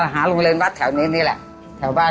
หาโรงเรียนวัดแถวนี้แหละ